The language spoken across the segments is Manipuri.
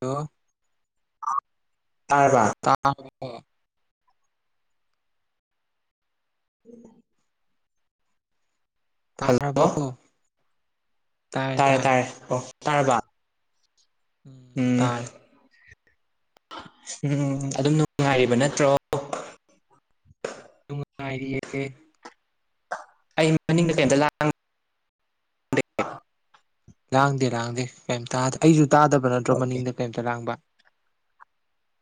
ꯍꯜꯂꯣ ꯇꯥꯏꯔꯕ ꯑꯣꯥ ꯏ ꯃꯥꯅꯤ ꯇꯥꯔꯕꯣ ꯇꯥꯔꯦ ꯇꯥꯔꯦ ꯑꯣ ꯇꯥꯔꯕ ꯎꯝ ꯎꯝ ꯑꯗꯨꯝ ꯅꯨꯡꯉꯥꯏꯔꯤꯕ ꯅꯠꯇ꯭ꯔꯣ ꯇꯉꯏꯔꯤꯌꯦ ꯑꯩ ꯃꯅꯤꯡꯗ ꯀꯩꯝꯇ ꯂꯥꯡ ꯂꯥꯡꯗꯦ ꯂꯥꯡꯗꯦ ꯀꯩꯝꯇ ꯑꯩꯁꯨ ꯇꯥꯗꯕ ꯅꯠꯇ꯭ꯔꯣ ꯑꯣꯀꯦ ꯃꯅꯤꯡꯗ ꯀꯩꯝꯇ ꯂꯥꯡꯕ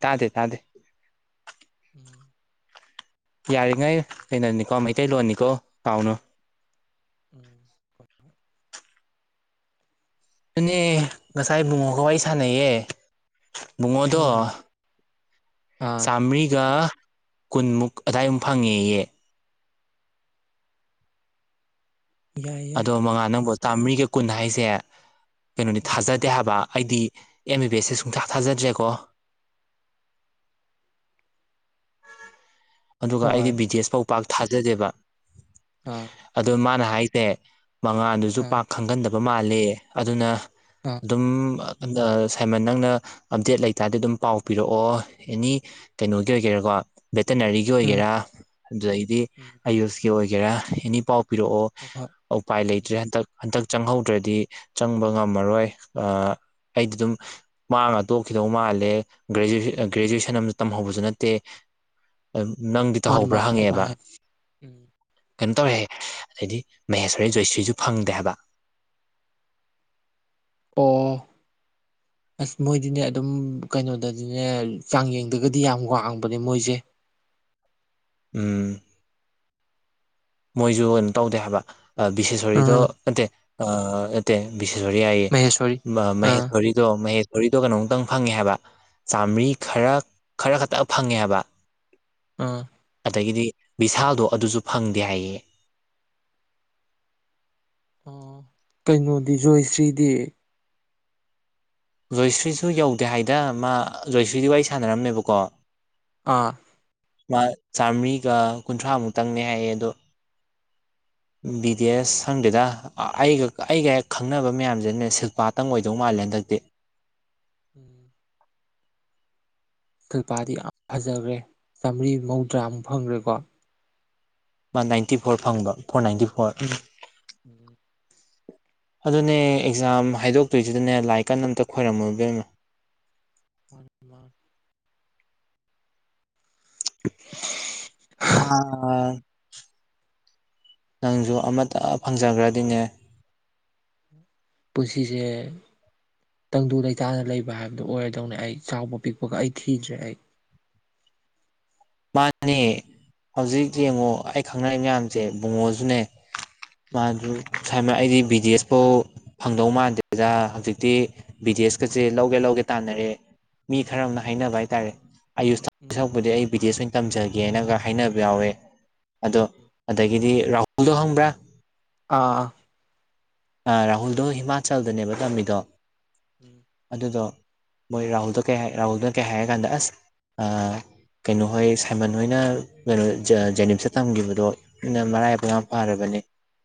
ꯇꯥꯗꯦ ꯇꯥꯗꯦ ꯎꯝ ꯌꯥꯔꯤꯉꯩ ꯀꯩꯅꯣꯅꯤꯀꯣ ꯃꯩꯇꯩꯂꯣꯟꯅꯤꯀꯣ ꯀꯥꯎꯅꯨ ꯎꯝ ꯅꯅꯦ ꯉꯁꯥꯏ ꯨꯡꯉꯣ ꯀ ꯑꯩ ꯑꯩ ꯁꯥꯟꯩꯌꯦꯦ ꯕꯨꯡꯉꯣꯗꯣ ꯎꯝ ꯑꯥ ꯆꯥꯝꯃꯔꯤꯒ ꯀꯨꯟꯃꯨꯛ ꯑꯗꯥꯏꯝ ꯐꯪꯉꯦꯌꯦ ꯌꯥꯏ ꯌꯥꯏ ꯑꯗꯣ ꯃꯉꯥꯟ ꯅꯪꯕꯣ ꯆꯥꯝꯃꯔꯤꯒ ꯀꯨꯟ ꯍꯥꯏꯁꯦ ꯀꯩꯅꯣꯅꯤ ꯎꯝ ꯊꯥꯖꯗꯦ ꯍꯥꯏꯕ ꯑꯩꯗꯤ ꯑꯦꯝ ꯕꯤ ꯕꯤ ꯑꯦꯁꯁꯦ ꯁꯨꯡꯊꯥꯛ ꯊꯥꯖꯗ꯭ꯔꯦꯀꯣ ꯑꯗꯨꯒ ꯑꯩꯗꯤ ꯍꯣꯏ ꯕꯤꯗꯦꯁ ꯐꯥꯎ ꯄꯥꯛ ꯊꯥꯖꯗꯦꯕ ꯑꯥ ꯑꯗꯣ ꯃꯥꯅ ꯍꯥꯏꯁꯦ ꯃꯉꯥꯟꯗꯨꯁꯨ ꯑꯥ ꯄꯥꯛ ꯈꯪꯒꯟꯗꯕ ꯃꯥꯜꯂꯦ ꯑꯗꯨꯅ ꯑꯥ ꯗꯨꯝ ꯑꯗ ꯁꯥꯏꯃꯟ ꯅꯪꯅ ꯑꯞꯗꯦꯠ ꯂꯩꯇꯥꯗꯤ ꯑꯗꯨꯝ ꯄꯥꯎ ꯄꯤꯔꯛꯑꯣ ꯑꯦꯅꯤ ꯀꯩꯅꯣꯒꯤ ꯑꯣꯏꯒꯦꯔ ꯕꯦꯇꯅꯔꯤꯒꯤ ꯎꯝ ꯑꯣꯏꯒꯦꯔꯥ ꯑꯗꯨꯗꯒꯤꯗꯤ ꯎꯝ ꯑꯌꯨꯁꯀꯤ ꯑꯣꯏꯒꯦꯔꯥ ꯑꯦꯅꯤ ꯄꯥꯎ ꯄꯤꯔꯛꯑꯣ ꯍꯣꯏ ꯍꯣꯏ ꯑꯧꯄꯥꯏ ꯎꯝ ꯂꯩꯇ꯭ꯔꯦ ꯍꯟꯗꯛ ꯍꯟꯗꯛ ꯆꯪꯍꯧꯗ꯭ꯔꯗꯤ ꯆꯪꯕ ꯉꯝꯃꯔꯣꯏ ꯑꯥ ꯑꯩꯗꯤ ꯗꯨꯝ ꯃꯥꯡꯉ ꯇꯣꯛꯈꯤ ꯗꯧ ꯃꯥꯜꯂꯦ ꯒ꯭ꯔꯦꯖꯨ ꯒ꯭ꯔꯦꯖꯨꯋꯦꯁꯟ ꯑꯝ ꯇꯝꯍꯧꯕꯁꯨ ꯅꯠꯇꯦ ꯅꯪꯗꯤ ꯃꯥꯅꯦ ꯇꯧꯍꯧꯕ꯭ꯔꯥ ꯃꯥꯅꯦ ꯑꯗꯨꯃꯥꯏ ꯍꯪꯉꯦꯕ ꯍꯥꯏ ꯎꯝ ꯀꯩꯝ ꯇꯧꯔꯦꯍꯦ ꯑꯗꯩꯗꯤ ꯃꯍꯦꯁꯣꯔꯤ ꯖꯣꯏꯁ꯭ꯔꯤꯁꯨ ꯐꯪꯗꯦ ꯍꯥꯏꯕ [inaudible] ꯑꯣ [inaudible] ꯑꯁ ꯃꯣꯏꯗꯤꯅꯦ ꯑꯗꯨꯝ ꯀꯩꯅꯣꯗꯗꯤꯅꯦ ꯆꯥꯡꯌꯦꯡꯗꯒꯗꯤ ꯌꯥꯝ ꯋꯥꯡꯕꯅꯦ ꯃꯣꯏꯁꯦ ꯎꯝ ꯃꯣꯏꯁꯨ ꯑꯝ ꯇꯧꯗꯦ ꯍꯥꯏꯕ ꯕꯤꯁꯦꯁꯣꯔꯤꯗꯣ ꯎꯝ ꯅꯠꯇꯦ ꯑꯥ ꯅꯠꯇꯦ ꯕꯤꯁꯦꯁꯤꯔꯤ ꯍꯥꯏꯌꯦ ꯃꯍꯦꯁꯣꯔꯤ ꯑꯥ ꯃꯍꯦꯁꯤꯔꯤꯗꯣ ꯃꯍꯦ ꯔꯤꯗꯣ ꯀꯩꯅꯣꯡꯇꯪ ꯐꯪꯉꯦ ꯍꯥꯏꯕ ꯆꯥꯝꯃ꯭ꯔꯤ ꯈꯔ ꯈꯔ ꯈꯛꯇ ꯐꯪꯉꯦ ꯍꯥꯏꯕ ꯑꯥ ꯑꯗꯒꯤꯗꯤ ꯚꯤꯁꯥꯜꯗꯣ ꯑꯗꯨꯁꯨ ꯐꯪꯗꯦ ꯍꯥꯏꯌꯦ ꯑ ꯀꯩꯅꯣꯗꯤ ꯖꯣꯏꯁ꯭ꯔꯤꯗꯤ ꯖꯣꯏꯁ꯭ꯔꯤꯁꯨ ꯌꯧꯗꯦ ꯍꯥꯏꯗ ꯃꯥ ꯖꯣꯏꯁ꯭ꯔꯤꯗꯤ ꯋꯥꯔꯤ ꯁꯥꯟꯅꯔꯝꯃꯦꯕꯀꯣ ꯑꯥ ꯃꯥ ꯆꯥꯃ꯭ꯔꯤꯒ ꯀꯨꯟꯊ꯭ꯔꯥ ꯃꯨꯛꯇꯪꯅꯦ ꯍꯥꯏꯌꯦ ꯑꯗꯣ ꯕꯤꯗꯤ ꯑꯦꯁ ꯁꯪꯗꯦꯗ ꯑꯩꯒ ꯑꯩꯒ ꯍꯦꯛ ꯈꯪꯅꯕ ꯃꯌꯥꯝꯁꯤꯅꯦ ꯁꯤꯜꯄꯥꯇꯪ ꯑꯣꯏꯗꯧ ꯃꯥꯜꯂꯦ [unintelligible] ꯎꯝ ꯐꯤꯜꯄꯥꯗꯤ ꯌꯥꯝ ꯐꯖꯒ꯭ꯔꯦ ꯆꯥꯝꯃ꯭ꯔꯤ ꯃꯧꯗ꯭ꯔꯥꯝ ꯐꯪꯒ꯭ꯔꯦꯀꯣ ꯋꯥꯟ ꯅꯥꯏꯟꯇꯤ ꯐꯣꯔ ꯐꯪꯕ ꯐꯣꯔ ꯅꯥꯏꯟꯇꯤ ꯐꯣꯔ ꯎꯝ ꯎꯝ ꯑꯗꯨꯅꯦ ꯑꯦꯛꯖꯥꯝ ꯍꯥꯏꯗꯣꯛꯇꯣꯏꯁꯤꯗꯅꯦ ꯂꯥꯏ ꯀꯟ ꯑꯝꯇ ꯈꯣꯏꯔꯝꯃꯨ ꯏꯕꯦꯃꯥ [inaudible] [unintelligible] [inaudible] ꯍꯥꯏ ꯅꯪꯁꯨ ꯑꯃꯠꯇ ꯐꯪꯖꯒ꯭ꯔꯗꯤꯅꯦ ꯄꯨꯁꯤꯁꯦ ꯇꯪꯗꯨ ꯂꯩꯇꯥꯅ ꯂꯩꯕ ꯍꯥꯏꯕꯗꯨ ꯑꯣꯏꯔꯗꯧꯅꯦ ꯑꯩ ꯆꯥꯎꯕ ꯄꯤꯛꯄꯒ ꯑꯩ ꯊꯤꯗ꯭ꯔꯦ ꯑꯩ ꯃꯥꯅꯦ ꯍꯧꯖꯤꯛ ꯖꯦꯡꯉꯣ ꯑꯩ ꯈꯪꯅꯔꯤ ꯃꯌꯥꯝꯖꯦ ꯕꯨꯡꯉꯣꯖꯨꯅꯦ [inaudible] ꯑꯩꯗꯤ ꯕꯤ ꯗꯤ ꯑꯦꯁ ꯄꯥꯎ ꯐꯪꯗꯧ ꯃꯥꯟꯗꯦ ꯍꯧꯖꯤꯛꯇꯤ [inaudible] ꯀꯁꯦ ꯂꯧꯒꯦ ꯂꯧꯒꯦ ꯇꯥꯟꯅꯔꯦ ꯃꯤ ꯈꯔ ꯑꯃꯅ ꯎꯝ ꯍꯥꯏꯅꯕ ꯍꯥꯏꯇꯥꯔꯦ ꯑꯌꯨꯁ ꯎꯝ [inaudible] ꯑꯩ ꯕꯤꯗꯦꯁ ꯑꯣꯏꯅ ꯇꯝꯖꯒꯦꯅꯒ ꯍꯥꯏꯅꯕ ꯌꯥꯎꯋꯦ ꯑꯗꯣ ꯎꯝ ꯑꯗꯒꯤꯗꯤ ꯔꯥꯍꯨꯜꯗꯣ ꯍꯪꯕ꯭ꯔꯥ ꯑꯥ ꯔꯥꯍꯨꯜꯗꯣ ꯍꯤꯃꯥꯆꯜꯗꯅꯦꯕ ꯇꯝꯃꯤꯗꯣ ꯎꯝ ꯑꯗꯨꯗꯣ ꯃꯣꯏ ꯔꯥꯍꯨꯜꯗꯣ ꯀꯩ ꯍꯥꯏ ꯔꯥꯍꯨꯜꯗ ꯀꯩ ꯍꯥꯏꯒꯥꯟꯗ ꯑꯁ ꯑꯥ ꯀꯩꯅꯣꯍꯣꯏ ꯁꯥꯏꯃꯟ ꯍꯣꯏꯅ ꯀꯩꯅꯣ ꯖꯦꯅꯤꯝꯁꯇ ꯇꯝꯒꯤꯕꯗꯣ ꯃꯔꯥꯏꯕꯛ ꯌꯥꯝ ꯄꯥꯔꯕꯅꯤ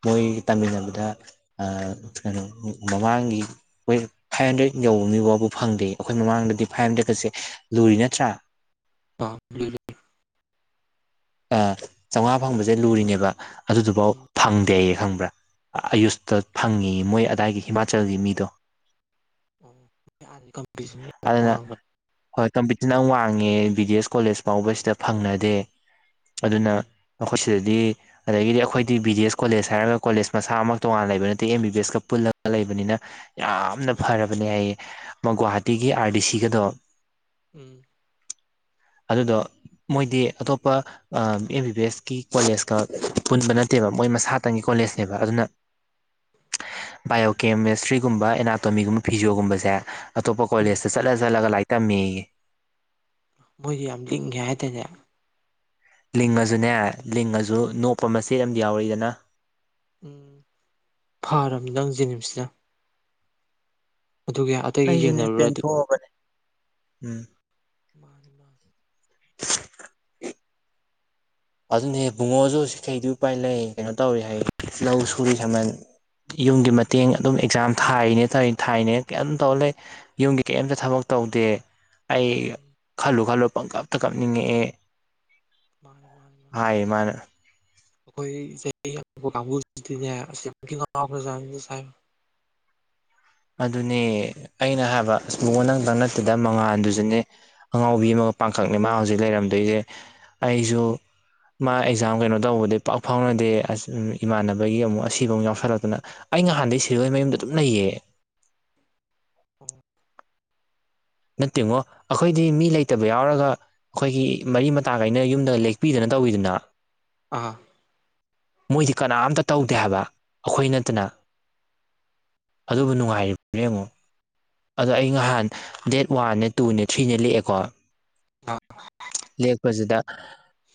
ꯃꯣꯏ ꯇꯥꯃꯤꯟꯅꯕꯗ ꯀꯩꯅꯣ ꯃꯃꯥꯡꯒꯤ ꯃꯣꯏ ꯐꯥꯏꯚ ꯍꯟꯗ꯭ꯔꯦꯗ ꯌꯧꯕ ꯃꯤꯐꯥꯎꯕ ꯐꯪꯗꯦ ꯑꯩꯈꯣꯏ ꯃꯃꯥꯡꯗ ꯐꯥꯏꯚ ꯍꯟꯗ꯭ꯔꯦꯠꯀꯁꯦ ꯂꯨꯔꯤ ꯅꯠꯇ꯭ꯔꯥ ꯑ ꯑ ꯆꯥꯝꯃꯉꯥ ꯐꯪꯕꯁꯦ ꯂꯨꯔꯤꯅꯦꯕ ꯑꯗꯨꯗꯨꯐꯥꯎ ꯐꯪꯗꯦ ꯑꯩꯌꯦ ꯈꯪꯕ꯭ꯔꯥ ꯑꯌꯨꯁꯇ ꯐꯪꯉꯤ ꯃꯣꯏ ꯑꯗꯥꯏꯒꯤ ꯍꯤꯃꯥꯆꯜꯒꯤ ꯃꯤꯗꯣ ꯑꯣꯝꯤꯁ ꯌꯥꯝ ꯑꯗꯨꯅ ꯋꯥꯡꯕꯅꯦ ꯍꯣꯏ ꯀꯝꯄꯤꯇꯤꯁꯟ ꯌꯥꯝ ꯋꯥꯡꯉꯦ ꯕꯤ ꯗꯤ ꯑꯦꯁ ꯀꯣꯂꯦꯖ ꯐꯥꯎꯕꯁꯤꯗ ꯐꯪꯅꯗꯦ ꯑꯗꯨꯅ ꯎꯝ ꯃꯈꯣꯏ ꯁꯤꯗꯗꯤ ꯑꯗꯒꯤꯗꯤ ꯑꯩꯈꯣꯏꯗꯤ ꯕꯤ ꯗꯤ ꯑꯦꯁ ꯀꯣꯂꯦꯖ ꯍꯥꯏꯔꯒ ꯀꯣꯂꯦꯖ ꯃꯁꯥꯃꯛ ꯇꯣꯉꯥꯟꯅ ꯂꯩꯕ ꯅꯠꯇꯦ ꯑꯦꯝ ꯕꯤ ꯕꯤ ꯑꯦꯁꯀ ꯄꯨꯜꯂꯒ ꯂꯩꯕꯅꯤꯅ ꯌꯥꯝꯅ ꯎꯝ ꯐꯔꯕꯅꯦ ꯍꯥꯏꯌꯦ ꯃ ꯒꯨꯍꯥꯇꯤꯒꯤ ꯑꯥꯔ ꯗꯤ ꯁꯤꯒꯗꯣ ꯎꯝ ꯑꯗꯨꯗꯣ ꯃꯣꯏꯗꯤ ꯑꯇꯣꯞꯄ ꯑꯦꯝ ꯕꯤ ꯕꯤ ꯑꯦꯁ ꯀꯤ ꯀꯣꯂꯦꯖꯀ ꯄꯨꯟꯕ ꯅꯠꯇꯦꯕ ꯃꯣꯏ ꯃꯁꯥꯇꯪꯒꯤ ꯀꯣꯂꯦꯖꯅꯦꯕ ꯑꯗꯨꯅ ꯕꯥꯏꯑꯣꯀꯦꯃꯦꯁꯇ꯭ꯔꯤꯒꯨꯝꯕ ꯑꯦꯅꯥꯇꯣꯃꯤꯒꯨꯝꯕ ꯐꯤꯖꯤꯣꯒꯨꯝꯕꯁꯦ ꯑꯇꯣꯞꯄ ꯎꯝ ꯀꯣꯂꯦꯖꯇ ꯆꯠꯂ ꯆꯠꯂꯒ ꯂꯥꯏꯔꯤꯛ ꯇꯝꯃꯤ ꯃꯣꯏꯁ ꯌꯥꯝ ꯇꯤꯡꯒꯦ ꯍꯥꯏꯇꯥꯅꯦ ꯂꯤꯡ ꯑꯗꯨꯅꯦ ꯂꯤꯡꯑꯁꯨ ꯅꯣꯛꯄ ꯃꯆꯦꯠ ꯑꯃꯗꯤꯝ ꯌꯥꯎꯔꯛꯏꯗꯅ ꯐꯔꯕꯅꯤ ꯅꯪ ꯖꯦꯅꯤꯝꯁꯇ ꯑꯗꯨꯒ ꯑꯇꯩꯒ ꯑꯩꯁꯨꯅꯦ ꯌꯦꯡꯅꯔꯨꯔꯗꯤ ꯄꯦꯟꯊꯣꯛꯑꯕꯅꯦ ꯎꯝ ꯃꯥꯅꯦ ꯃꯥ [unintelligible] ꯑꯗꯨꯅꯦ ꯄꯨꯡꯉꯣꯁꯨ ꯁꯤꯈꯩꯗꯤ ꯎꯄꯥꯏ ꯂꯩ ꯀꯩꯅꯣ ꯇꯧꯔꯤ ꯍꯥꯏ ꯂꯧ ꯁꯨꯔꯤ ꯁꯃꯟ ꯌꯨꯝꯒꯤ ꯎꯝ ꯃꯇꯦꯡ ꯑꯗꯨꯝ ꯑꯦꯛꯖꯥꯝ ꯊꯥꯏꯅꯦ ꯇꯧꯋ ꯊꯥꯏꯅꯦ ꯀꯝ ꯇꯧ ꯂꯩ ꯌꯨꯝꯒꯤ ꯀꯩꯝꯇ ꯊꯕꯛ ꯇꯧ ꯇꯧꯗꯦ ꯑꯩ ꯎꯝ ꯈꯜꯂꯨ ꯈꯜꯂꯨ ꯄꯪ ꯀꯞꯇ ꯀꯞꯅꯤꯡꯉꯛꯑꯦ ꯃꯥ ꯍꯥꯏꯃꯅ ꯑꯩꯈꯣꯏ ꯆꯍꯤ ꯀꯥꯡꯕꯨꯅꯦꯖꯥ [unintelligible] ꯑꯗꯨꯅꯦ ꯑꯩꯅ ꯍꯥꯏꯕꯛ ꯅꯛꯇꯪ ꯅꯠꯇꯗ ꯃꯉꯥꯥꯟꯗꯨꯁꯨꯅꯦ ꯑꯉꯥꯎꯕꯤ ꯑꯃ ꯄꯥꯡꯈꯛꯅꯦ ꯃꯥ ꯍꯧꯖꯤꯛ ꯂꯩꯔꯝꯗꯣꯏꯁꯦ ꯑꯩꯁꯨ ꯃꯥ ꯑꯦꯛꯖꯥꯝ ꯀꯩꯅꯣ ꯇꯧꯕꯗꯤ ꯄꯥꯛ ꯐꯥꯎꯅꯗꯦ ꯏꯃꯥꯟꯅꯕꯒꯤ ꯑꯃꯨꯛ ꯑꯁꯤꯕ ꯑꯃꯨꯛ ꯌꯥꯎꯁꯜꯂꯛꯇꯨꯅ ꯑꯩ ꯅꯍꯥꯟꯗꯩ ꯁꯤꯔꯣꯏ ꯃꯌꯨꯝꯗ ꯗꯨꯝ ꯂꯩ ꯌꯦ ꯅꯠꯇꯦꯉꯣ ꯑꯩꯈꯣꯏꯗꯤ ꯃꯤ ꯂꯩꯇꯕ ꯌꯥꯎꯔꯒ ꯑꯩꯈꯣꯏꯒꯤ ꯃꯔꯤ ꯃꯇꯥ ꯀꯥꯏꯅ ꯌꯨꯝꯗ ꯂꯦꯛꯄꯤꯗꯅꯠꯇ ꯇꯧꯋꯤꯗꯅ ꯑ ꯃꯣꯏꯗꯤ ꯀꯅꯥꯝꯇ ꯇꯧꯗꯦ ꯍꯥꯏꯕ ꯑꯩꯈꯣꯏ ꯅꯠꯇꯅ ꯑꯗꯨꯕꯨ ꯅꯨꯡꯉꯥꯏꯔꯤꯕꯅꯦ ꯌꯦꯡꯉꯣ ꯑꯗꯣ ꯑꯩ ꯅꯍꯥꯟ ꯗꯦꯠ ꯋꯥꯦ ꯇꯨꯅꯦ ꯊ꯭ꯔꯤꯅꯦ ꯂꯦꯛꯑꯦꯀꯣ ꯑ ꯌꯦꯛꯄꯁꯤꯗ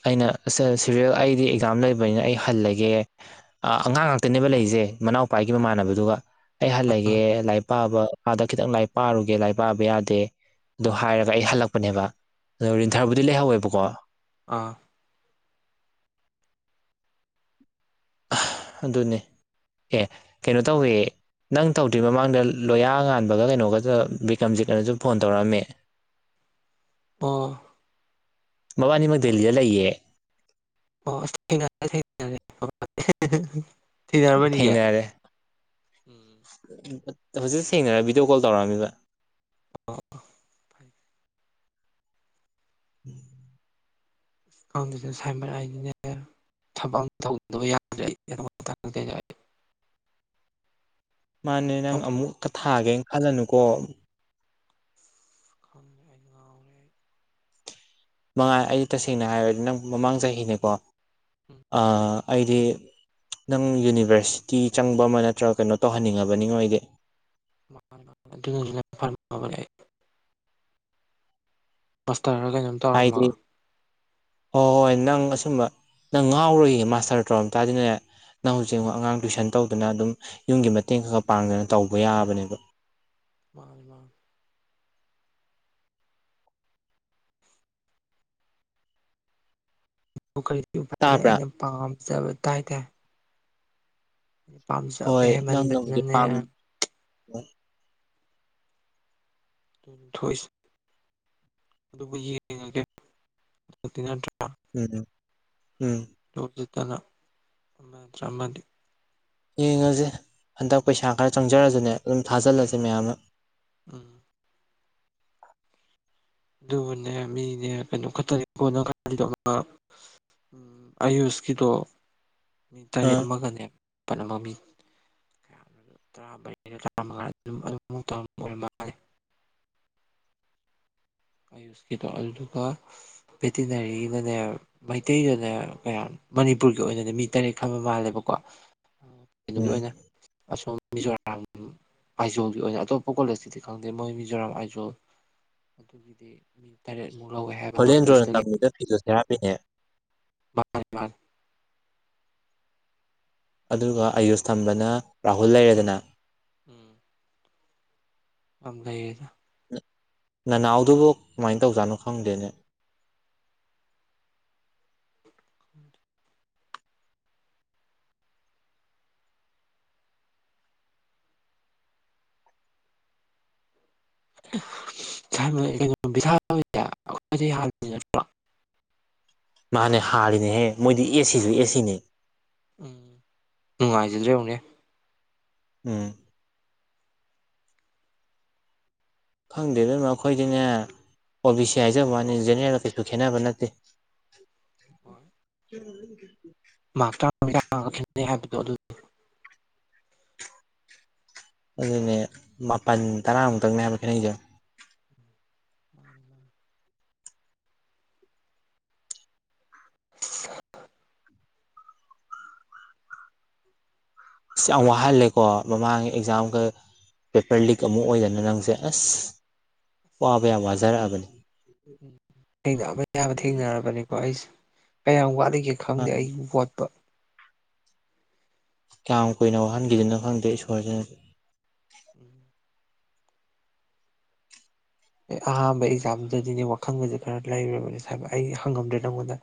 ꯑꯩꯅ ꯁꯤꯔꯤꯦꯜ ꯑꯩꯗꯤ ꯑꯦꯛꯖꯥꯝ ꯂꯩꯕꯅꯤꯅ ꯑꯩ ꯍꯜꯂꯒꯦ ꯑꯉꯥꯡ ꯉꯥꯛꯇꯅꯦꯕ ꯂꯩꯖꯦ ꯃꯅꯥꯎ ꯄꯥꯏꯈꯤꯕ ꯃꯃꯥꯟꯅꯕꯗꯨꯒ ꯑꯩ ꯍꯜꯂꯒꯦ ꯂꯥꯏꯔꯤꯛ ꯄꯥꯕ ꯈꯤꯇꯪ ꯂꯥꯏꯛ ꯄꯥꯔꯨꯒꯦ ꯂꯥꯏꯔꯤ ꯄꯥꯛꯕ ꯌꯥꯗꯦ ꯑꯗꯨꯣ ꯍꯥꯏꯔꯒ ꯑꯩ ꯍꯜꯂꯛꯄꯅꯦꯕ ꯑꯗꯣ ꯔꯤꯟꯊꯔꯕꯨꯗꯤ ꯂꯩꯍꯧꯋꯦꯕꯀꯣ ꯑꯥ ꯑꯗꯨꯅꯦ ꯑꯦ ꯀꯩꯅꯣ ꯇꯧꯋꯦ ꯅꯪ ꯇꯧꯗ꯭ꯔꯤ ꯃꯃꯥꯡꯗ ꯂꯣꯌꯥ ꯉꯥꯟꯕꯒ ꯀꯩꯅꯣꯒ ꯕꯤꯀ꯭ꯔꯝꯖꯤꯠꯅꯅꯁꯨ ꯐꯣꯟ ꯇꯧꯔꯛꯝꯃꯤ ꯑꯣ ꯃꯕꯥꯅꯤꯃꯛ ꯗꯦꯜꯂꯤꯗ ꯂꯩꯌꯦ ꯑꯣ ꯊꯦꯡꯅꯔꯝꯃꯅꯤꯌꯦ ꯊꯦꯡꯅꯔꯔꯦ ꯍꯧꯖꯤꯛ ꯁꯦꯡꯅꯔ ꯚꯤꯗꯤꯑꯣ ꯀꯣꯜ ꯇꯧꯔꯛꯑꯝꯃꯤꯕ ꯑꯣ ꯎꯝ ꯀꯥꯎꯟꯗꯁꯨ ꯁꯥꯏꯃꯔ ꯑꯗꯨꯅꯦ ꯊꯕꯛ ꯇꯧꯗꯕ ꯌꯥꯗ꯭ꯔꯦ ꯑꯩ ꯑꯗꯨ ꯃꯥꯅꯦ ꯅꯪ ꯑꯗꯨꯝ ꯑꯃꯨꯛꯀ ꯊꯥꯒꯦꯅ ꯈꯜꯂꯅꯨꯀꯣ ꯈꯟ ꯑꯦꯖ ꯉꯎꯔꯦ ꯃꯉꯥꯏ ꯑꯩ ꯇꯁꯦꯡꯅ ꯍꯥꯏꯔꯗꯤ ꯅꯪ ꯃꯃꯥꯡ ꯆꯍꯤꯅꯦꯀꯣ ꯎꯝ ꯑꯩꯗꯤ ꯅꯪ ꯌꯨꯅꯤꯚꯔꯁꯤꯇꯤ ꯆꯪꯕ ꯑꯃ ꯅꯠꯇ꯭ꯔꯒ ꯀꯩꯅꯣ ꯇꯧꯍꯟꯅꯤꯡꯉꯕꯅꯤꯉ ꯑꯣꯏꯗꯤꯦ [inaudible] ꯇꯔ ꯀꯩꯅꯣꯝ ꯇꯧꯔꯝꯃꯒ ꯍꯥꯏꯗꯤ ꯍꯣꯏ ꯍꯣꯏ ꯅꯪ ꯑꯁꯨꯝꯕ ꯅꯪ ꯉꯥꯎꯔꯣꯏꯏ ꯃꯥꯁꯇꯔ ꯇꯧꯔꯝ ꯇꯥꯗꯤꯅꯦ ꯅꯪ ꯍꯧꯖꯤꯛꯛ ꯎꯝ ꯑꯉꯥꯡ ꯇꯨꯏꯁꯟ ꯇꯧꯗꯨꯅ ꯑꯗꯨꯝ ꯌꯨꯝꯒꯤ ꯃꯇꯦꯡ ꯈꯔ ꯈꯔ ꯄꯥꯡꯗꯅ ꯇꯧꯕ ꯌꯥꯕꯅꯦꯕ ꯃꯥꯅꯤ ꯃꯥꯅꯤ ꯀꯔꯤ ꯎꯗ ꯇꯥꯕ꯭ꯔꯥ ꯑꯩꯅ ꯄꯥꯝꯖꯕ ꯇꯥꯏꯇꯥꯔꯦ ꯍꯣꯏ ꯅꯪ ꯅꯕꯨꯗꯤ ꯄꯥꯝꯃꯤ ꯍꯦꯃꯟꯕꯁꯤꯅꯅꯦ ꯊꯣꯏꯁ ꯑꯗꯨ ꯎꯝ ꯎꯝ ꯖꯤꯠꯇꯅ ꯑ ꯆꯃꯗꯤ ꯌꯦꯡꯉꯁꯤꯦ ꯍꯟꯗꯛ ꯄꯩꯁꯥ ꯈꯔ ꯆꯪꯖꯔꯁꯨꯅꯦ ꯑꯗꯨꯝ ꯊꯥꯖꯤꯜꯂꯁꯦ ꯃꯌꯥꯝꯅ ꯎꯝ ꯑꯗꯨꯕꯨꯅꯦ ꯃꯤꯅꯦ ꯀꯩꯅꯣ ꯈꯛꯇꯅꯤ ꯀꯣꯟꯅ ꯈꯜꯂꯤꯗ ꯎꯝ ꯑꯌꯨꯁꯀꯤꯗꯣ ꯃꯤ ꯇꯔꯦꯠ ꯑꯥ ꯑꯃꯒꯅꯦꯕ ꯄꯅꯃꯃꯤ ꯇꯔꯥꯃꯔꯤꯗ ꯇꯔꯥꯃꯉꯥ ꯑꯗꯨꯝꯧ ꯑꯣꯏꯔꯝ ꯃꯥꯦ [inaudible] ꯑꯌꯨꯁꯀꯤꯗꯣ ꯑꯗꯨꯗꯨꯒ ꯚꯦꯇꯤꯅꯔꯤꯗꯅꯦ ꯃꯩꯇꯩꯗꯅꯦ ꯀꯌꯥ ꯃꯅꯤꯄꯨꯔꯒꯤ ꯑꯣꯏꯅꯗꯤ ꯃꯤ ꯇꯔꯦꯠ ꯈꯪꯕ ꯃꯥꯜꯂꯦꯕꯀꯣ ꯀꯩꯅꯣꯒꯤ ꯎꯝ ꯑꯣꯏꯅ ꯑꯁꯣꯝ ꯃꯤꯖꯣꯔꯥꯝ ꯑꯥꯏꯖꯣꯜꯒꯤ ꯑꯣꯏꯅ ꯑꯇꯣꯞꯄ ꯀꯣꯂꯦꯖꯀꯤꯗꯤ ꯈꯪꯗꯦ ꯃꯣꯏ ꯃꯤꯖꯣꯔꯥꯝ ꯑꯥꯏꯖꯣꯜ ꯑꯗꯨꯒꯤꯗꯤ ꯃꯤ ꯇꯔꯦꯠꯃꯨꯛ ꯂꯧꯋꯦ ꯍꯥꯏꯕ ꯅꯣꯔꯠ ꯏꯁꯇꯒꯤ ꯌꯥꯃꯤꯅꯦ [inaudible] ꯑꯗꯨꯒ ꯑꯌꯨꯁ ꯊꯝꯕꯅ ꯔꯥꯍꯨꯜ ꯎꯝ ꯂꯩꯔꯦꯗꯅꯥ ꯑ ꯂꯩꯗ ꯅꯅꯥꯎꯗꯨꯕꯨ ꯀꯃꯥꯏꯅ ꯇꯧꯖꯥꯠꯅꯣ ꯈꯪꯗꯦꯅꯦ ꯈꯪꯗꯦ [unintelligible] [unintelligible] ꯈꯣꯏꯅꯤ ꯅꯠꯇ꯭ꯔ ꯃꯥꯅꯦ ꯍꯥꯜꯂꯤꯅꯦꯍꯦ ꯃꯣꯏꯗꯤ ꯑꯦꯁꯤꯁꯨ ꯑꯦꯁꯤꯅꯦ ꯎꯝ ꯅꯨꯡꯉꯥꯏꯖꯗ꯭ꯔ ꯌꯦꯡꯉꯨꯅꯦ ꯎꯝ ꯈꯪꯗꯦꯗ ꯃ ꯑꯈꯣꯏꯗꯤꯅꯦ ꯑꯣ ꯕꯤ ꯁꯤ ꯎꯝ ꯍꯥꯏꯖꯕ ꯃꯥꯅꯤ ꯖꯦꯅꯦꯔꯦꯜ ꯀꯩꯁꯨ ꯈꯦꯅꯕ ꯅꯠꯇꯦ ꯍꯣꯏ ꯀ [inaudible] ꯃꯛ ꯇꯔꯥꯃꯤ ꯇꯔ꯭ꯉꯥ ꯈꯦꯠꯅꯩ ꯍꯥꯏꯕꯗꯣ ꯑꯗꯨ ꯑꯗꯨꯅꯦ ꯃꯥꯄꯜ ꯇꯔꯥꯃꯨꯛꯇꯪꯅꯦ ꯍꯥꯏꯕ ꯈꯦꯠꯅꯩꯁꯦ ꯃꯥꯅꯤ ꯃꯥꯅꯤ [inaudible] ꯌꯥꯝ ꯋꯥꯍꯜꯂꯦꯀꯣ ꯃꯃꯥꯡꯒꯤ ꯑꯦꯛꯖꯥꯝꯒ ꯄꯦꯄꯔ ꯂꯤꯛ ꯑꯃꯨꯛ ꯑꯣꯏꯗꯅ ꯅꯪꯁꯦ ꯑꯁ ꯋꯥꯕ ꯑꯁ ꯌꯥꯝ ꯋꯥꯖꯔꯛꯑꯕꯅꯤ ꯊꯦꯡꯅꯑꯕ ꯌꯥꯕ ꯊꯦꯡꯅꯔꯕꯅꯤꯀꯣ ꯑꯩꯁꯦ ꯀꯌꯥꯝ ꯋꯥꯠꯂꯤꯒꯦ ꯈꯪꯗꯦ ꯑꯩ ꯋꯥꯠꯄ ꯀꯌꯥꯝ ꯀꯨꯏꯅ ꯋꯥꯍꯟꯈꯤꯗꯅꯣ ꯈꯪꯗꯦ ꯏꯁꯣꯔꯁꯤꯅ ꯎꯝ ꯑꯦ ꯑꯍꯥꯟꯕ ꯑꯦꯛꯖꯥꯝꯗꯗꯤꯅꯦ ꯋꯥꯈꯜꯒꯁ ꯈꯔ ꯂꯩꯨꯔꯕꯅꯦ ꯍꯥꯏꯕ ꯑꯩ ꯍꯪꯉꯝꯗ꯭ꯔꯦ ꯅꯪꯉꯣꯟꯗ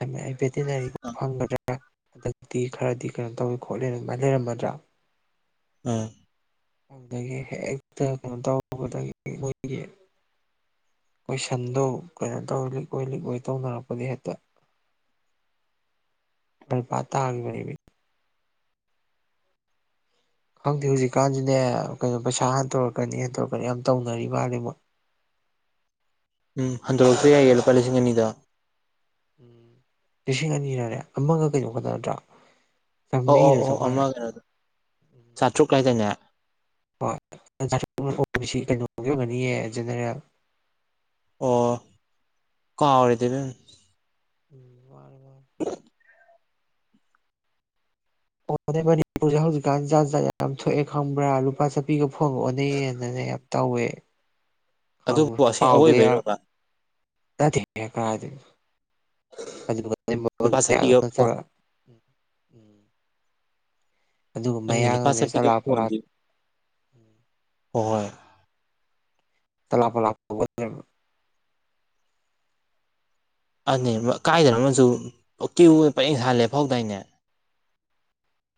ꯑꯩ ꯚꯦꯇꯤꯅꯔꯤ ꯐꯪꯒꯗ꯭ꯔꯥ ꯍꯟꯗꯛꯇꯤ ꯈꯔꯗꯤ ꯀꯩꯅꯣ ꯇꯧꯏꯦ ꯈꯣꯠꯂꯦ ꯑꯗꯨꯃꯥꯏꯅ ꯂꯩꯔꯝꯃꯗ꯭ꯔꯥ ꯑ ꯑꯗꯨꯒꯤ ꯍꯦꯛꯇ ꯀꯩꯅꯣ ꯇꯧꯔꯨꯕꯗꯒꯤ ꯃꯣꯏꯒꯤ ꯀꯣꯏꯁꯟꯗꯣ ꯀꯩꯅꯣ ꯇꯧ ꯂꯤꯛ ꯑꯣꯏ ꯂꯤꯛ ꯑꯣꯏ ꯇꯧꯅꯔꯛꯄꯗꯤ ꯍꯦꯛꯇ ꯃ ꯄꯥꯇꯒꯤꯕꯅꯦꯃꯤ ꯈꯪꯗꯦ ꯍꯧꯖꯤꯛꯀꯥꯟꯁꯤꯅꯦ ꯀꯩꯅꯣ ꯄꯩꯁꯥ ꯍꯟꯇꯣꯔꯛꯀꯅꯤ ꯍꯟꯇꯣꯔꯛꯀꯅꯤ ꯌꯥꯝ ꯇꯧꯅꯔꯤ ꯃꯥꯜꯂ ꯃꯣꯏꯛ ꯎꯝ ꯍꯟꯗꯣꯔꯄ ꯌꯥꯏꯌꯦ ꯂꯨꯄꯥ ꯂꯤꯁꯤꯡ ꯑꯅꯤꯗꯣ ꯎꯝ ꯂꯤꯁꯤꯡ ꯑꯅꯤ ꯂꯔꯦ ꯑꯃꯒ ꯀꯩꯗꯧꯀꯗ ꯅꯠꯇ꯭ꯔꯥ ꯑꯣ ꯆꯥꯝꯃꯔꯤꯔ ꯑꯧ ꯑꯣ ꯆꯧꯉꯥꯔ ꯑꯃꯒꯩꯅ ꯆꯥꯇ꯭ꯔꯨꯛꯀꯥꯏꯗꯅꯦ ꯍꯣꯏꯣꯡꯁꯤ ꯀꯩꯅꯣꯒꯤ ꯑꯣꯏꯒꯅꯤꯌꯦ ꯖꯦꯅꯦꯔꯦꯜ ꯑꯣ ꯀꯥꯎ ꯔꯦꯗ ꯏꯕꯦꯝꯃ ꯎꯝ ꯋꯥꯔꯦ ꯋꯥ [unintelligible] ꯍꯅꯦ ꯃꯅꯤꯄꯨꯔꯁꯦ ꯍꯧꯖꯤꯛꯀꯥꯟ ꯖꯠ ꯖꯥ ꯌꯥꯝ ꯊꯣꯛꯑꯦ ꯈꯪꯕ꯭ꯔꯥ ꯂꯨꯄꯥ ꯆꯥꯄꯤꯒ ꯐꯣꯟꯒ ꯑꯣꯟꯅꯩꯌꯦꯅꯅꯦ ꯍꯦꯞ ꯇꯧꯋꯦ ꯑꯗꯨꯕꯨ ꯑꯁ ꯑꯋꯣꯏꯕꯩꯔꯣꯒ ꯅꯇꯦ ꯍꯦ ꯀꯔꯥꯏꯗꯒꯤꯅꯣ ꯀ꯭ꯔꯤꯄꯥ ꯁꯇꯤ ꯌ ꯐꯣꯟ ꯆꯠꯂ ꯎꯝ ꯑꯗꯨꯒ ꯃꯌꯥꯡꯅꯅꯦ ꯄꯥꯒ ꯆꯂꯥ ꯐ ꯄꯂꯥ ꯍꯣꯏ ꯆꯂꯞꯄ ꯂꯞ ꯑꯅꯤ ꯀꯥꯏꯗꯅ ꯑꯃꯁꯨ ꯀ꯭ꯌꯨ ꯑꯣꯏꯅ ꯄꯦꯡ ꯁꯥꯅ ꯂꯦꯐꯧꯗꯥꯏꯅꯦ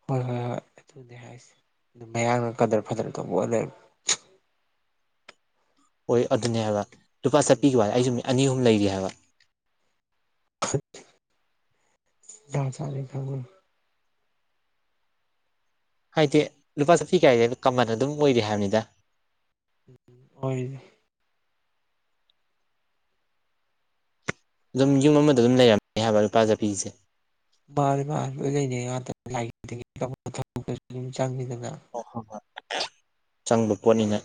ꯍꯣꯏ ꯍꯣꯏ ꯍꯣꯏ ꯑꯗꯨꯗꯤ ꯍꯥꯏꯁ ꯑꯗꯨꯝ ꯃꯌꯥꯡꯅ ꯀꯗꯔ ꯐꯗꯔ ꯇꯧꯕ ꯑꯣ ꯂꯩ ꯍꯣꯏ ꯑꯗꯨꯅꯦ ꯍꯥꯏꯕ ꯂꯨꯄꯥ ꯆꯠꯄꯤꯈꯤꯕ ꯑꯩꯁꯨ ꯃꯤꯠ ꯑꯅꯤ ꯑꯍꯨꯝ ꯂꯩꯔꯤ ꯍꯥꯏꯕ ꯂ ꯆꯂꯦ ꯊꯪꯒ ꯍꯥꯏꯗꯤ ꯂꯨꯄꯥ ꯆꯥꯄꯤ ꯀꯥꯏꯗꯤ ꯀꯃꯟ ꯑꯗꯨꯝ ꯑꯣꯏꯔꯤ ꯍꯥꯏꯕꯅꯤꯗ ꯑꯣꯏꯔꯤ ꯑꯗꯨꯝ ꯌꯨꯝ ꯑꯃꯗ ꯑꯗꯨꯝ ꯂꯩꯔꯝꯃꯦ ꯍꯥꯏꯕ ꯂꯨꯄꯥ ꯖꯄꯤꯁꯦ ꯃꯥꯅꯤ ꯃꯥꯅꯤ ꯂꯣꯏ ꯂꯩꯅꯩ ꯉꯥꯇꯅꯤ ꯂꯥꯏ ꯇꯤꯟꯒꯤ ꯇꯧ ꯊꯕꯛꯇꯁꯨ ꯑꯗꯨꯝ ꯆꯡꯉꯤꯗꯅ ꯍꯣꯏ ꯍꯣꯏ ꯆꯪꯕ ꯄꯣꯠꯅꯤꯅ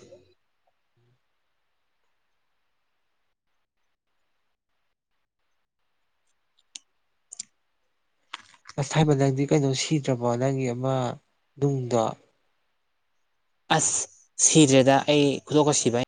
ꯑꯁ ꯍꯥꯏꯥꯏꯕ [inaudible] ꯅꯪꯗꯤ ꯀꯩꯅꯣ ꯁꯤꯗ꯭ꯔꯕꯣ ꯅꯪꯒꯤ ꯑꯃ ꯅꯨꯡꯗꯣ ꯑꯁ ꯁꯤꯗ꯭ꯔꯦꯗ ꯑꯩ ꯈꯨꯗꯣꯞꯁꯤꯕꯥ